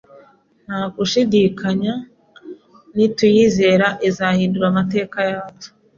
Nta gushidikanya, nituyizera izahindura amateka yacu.